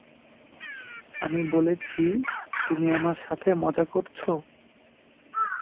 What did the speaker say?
আমি বলেছি, তুমি আমার সাথে মজা করছো?